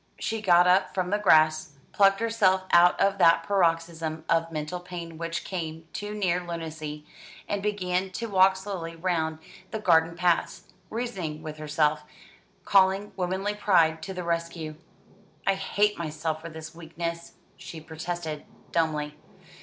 She got up from the grass, plucked herself out of that paroxysm of mental pain which came too near lunacy, and began to walk slowly round the garden paths, reasoning with herself, calling womanly pride to the rescue. "I hate myself for this weakness," she protested dumbly.